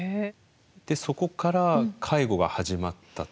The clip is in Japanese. でそこから介護が始まったと。